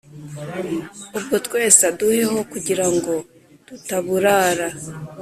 ubwo twese aduheho kugirango tutaburara